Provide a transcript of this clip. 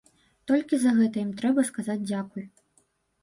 Толькі за гэта ім трэба сказаць дзякуй.